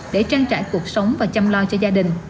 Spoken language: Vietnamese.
để trang trải cuộc sống